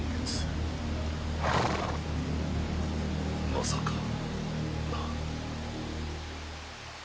まさかな。